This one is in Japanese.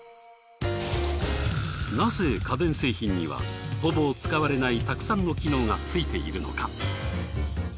なぜ家電製品にはほぼ使われないたくさんの機能がついているのか？